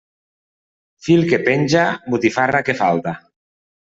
Fil que penja, botifarra que falta.